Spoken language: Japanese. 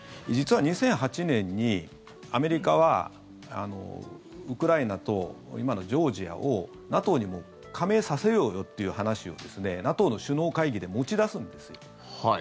実は、２００８年にアメリカはウクライナと今のジョージアをＮＡＴＯにもう加盟させようよという話をＮＡＴＯの首脳会議で持ち出すんですよ。